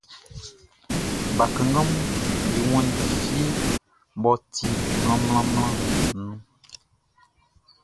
Bakannganʼm be wanndi fie mʼɔ ti mlanmlanmlanʼn nun.